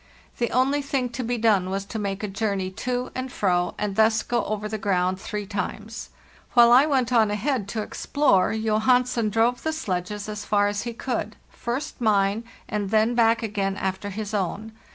The only thing to be done was to make a journey to and fro, and thus go over the ground three times. While I went on ahead to explore, Johansen drove the sledges as far as he could; first mine, and then back again after his own.